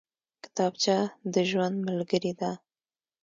کتابچه د ژوند ملګرې ده